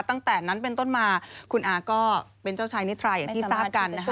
ตั้งแต่นั้นเป็นต้นมาคุณอาก็เป็นเจ้าชายนิทราอย่างที่ทราบกันนะคะ